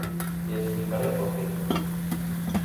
E explicarei por que.